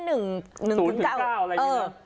หนึ่งศูนย์ถึงเก้าอะไรแบบนี้เนอะเออ